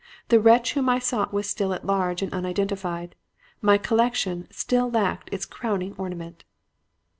The wretch whom I sought was still at large and unidentified. My collection still lacked its crowning ornament."